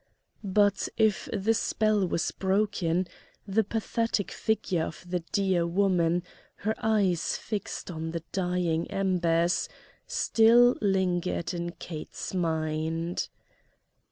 But if the spell was broken the pathetic figure of the dear woman, her eyes fixed on the dying embers, still lingered in Kate's mind.